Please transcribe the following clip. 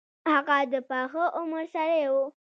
هغه د پاخه عمر سړی وو.